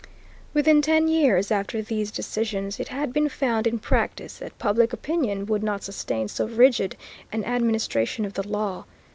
Within ten years after these decisions it had been found in practice that public opinion would not sustain so rigid an administration of the law.